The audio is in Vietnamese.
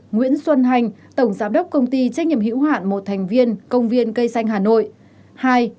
nguyễn xuân hành tổng giám đốc công ty trách nhiệm hữu hạn một thành viên công viên cây xanh hà nội